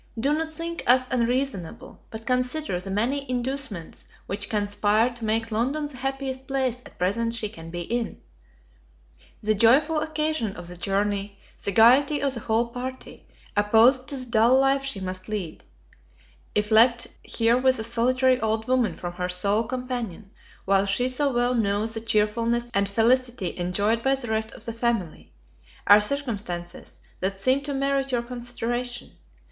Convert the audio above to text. Do not think us unreasonable, but consider the many inducements which conspire to make London the happiest place at present she can be in. The joyful occasion of the journey; the gaiety of the whole party, opposed to the dull life she must lead, if left here with a solitary old woman for her sole companion, while she so well knows the cheerfulness and felicity enjoyed by the rest of the family, are circumstances that seem to merit your consideration.